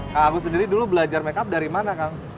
kang agus sendiri dulu belajar makeup dari mana kang